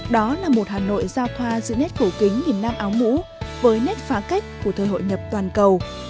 đó là một hà nội giao thoa giữa nét cổ kính nghìn năm áo mũ với nét phá cách của thời hội nhập toàn cầu